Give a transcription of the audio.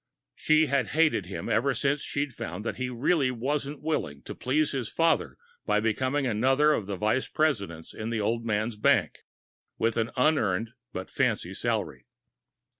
She had hated him ever since she'd found that he really wasn't willing to please his father by becoming another of the vice presidents in the old man's bank, with an unearned but fancy salary.